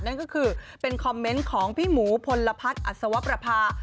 นั่นก็คือเป็นคอมเมนต์ของพี่หมูพลพัฒน์อัศวประพา